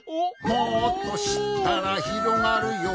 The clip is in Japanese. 「もっとしったらひろがるよ」